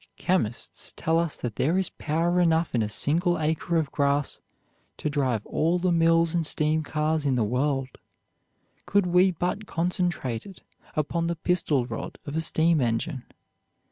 Chemists tell us that there is power enough in a single acre of grass to drive all the mills and steam cars in the world, could we but concentrate it upon the piston rod of a steam engine.